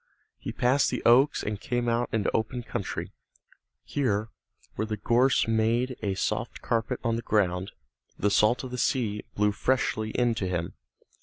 He passed the oaks and came out into open country. Here, where the gorse made a soft carpet on the ground, the salt of the sea blew freshly in to him.